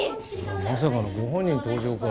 まさかのご本人登場かよ。